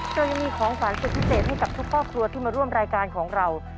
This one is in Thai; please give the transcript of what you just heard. เรายังมีของขวัญสุดพิเศษให้กับทุกครอบครัวที่มาร่วมรายการของเรา